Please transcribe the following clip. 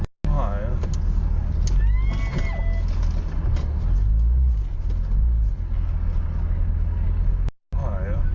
ปืนขอหายละ